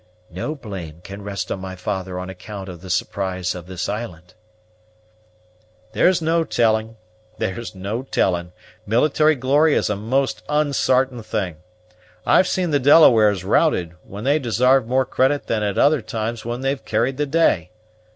"No blame can rest on my father on account of the surprise of this island." "There's no telling, there's no telling; military glory is a most unsartain thing. I've seen the Delawares routed, when they desarved more credit than at other times when they've carried the day.